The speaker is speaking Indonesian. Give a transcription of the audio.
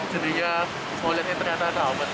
jadi dia mau lihat ini ternyata ada obat